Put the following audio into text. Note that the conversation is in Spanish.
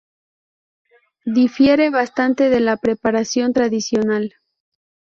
Difiere bastante de la preparación tradicional.